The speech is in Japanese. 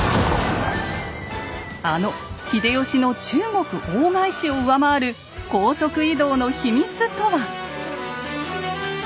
あの秀吉の中国大返しを上回る高速移動の秘密とは？